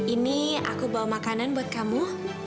ini aku bawa makanan buat kamu